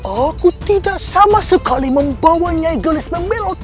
aku tidak sama sekali membawa nyai geris memelot